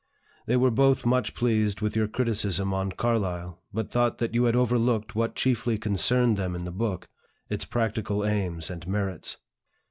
They were both much pleased with your criticism on Carlyle, but thought that you had overlooked what chiefly concerned them in the book, its practical aims and merits."